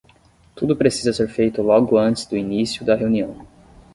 Tudo precisa ser feito logo antes do início da reunião.